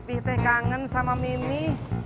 beneran pipih kangen sama mimi